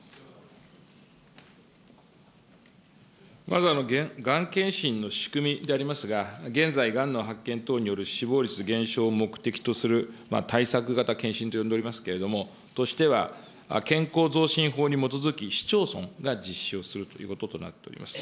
まず、がん検診の仕組みでありますが、現在、がんの発見等による死亡率減少を目的とする対策型検診と呼んでおりますけれども、としては、健康増進法に基づき、市町村が実施をするということとなっております。